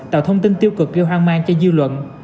tạo thông tin tiêu cực gây hoang mang cho dư luận